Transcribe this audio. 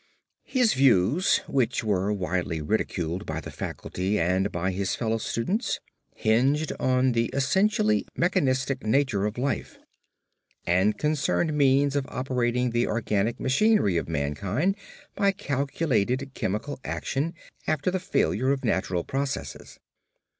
His views, which were widely ridiculed by the faculty and his fellow students, hinged on the essentially mechanistic nature of life; and concerned means for operating the organic machinery of mankind by calculated chemical action after the failure of natural processes.